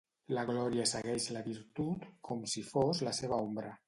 La glòria segueix la virtut com si fos la seva ombra.